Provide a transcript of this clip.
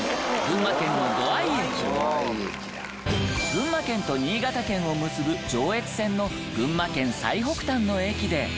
群馬県と新潟県を結ぶ上越線の群馬県最北端の駅で。